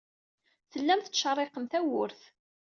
Tellam tettcerriqem tawwurt.